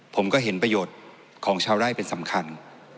ผมก็เห็นประโยชน์ของชาวไร่เป็นสำคัญ